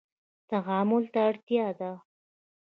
تعامل ته اړتیا ده